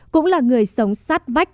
cũng là người sống sát vách